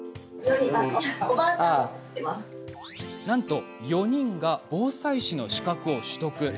なんと４人が防災士の資格を取得。